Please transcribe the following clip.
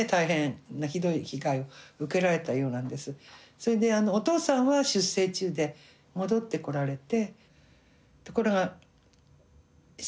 それでお父さんは出征中で戻ってこられて。